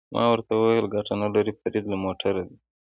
ما ورته وویل: ګټه نه لري، فرید له موټره دې.